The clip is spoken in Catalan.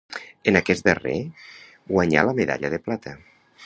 En aquest darrer guanyà la medalla de plata.